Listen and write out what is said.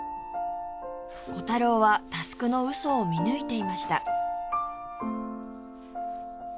コタローは佑の嘘を見抜いていました